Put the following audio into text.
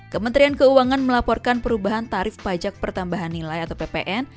kementerian keuangan melaporkan perubahan tarif pajak pertambahan nilai atau ppn